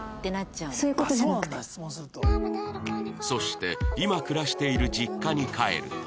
そして今暮らしている「ご実家？」